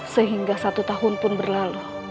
sehingga satu tahun pun berlalu